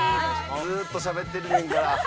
ずーっとしゃべってんねんから。